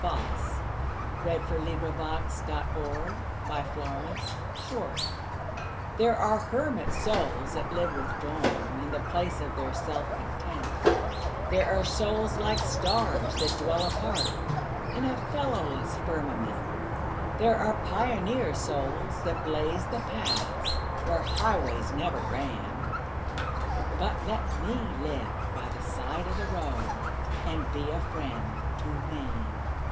U V . W X . Y Z The House by the Side of the Road THERE are hermit souls that live withdrawn In the place of their self content; There are souls like stars, that dwell apart, In a fellowless firmament; There are pioneer souls that blaze the paths Where highways never ran But let me live by the side of the road And be a friend to man.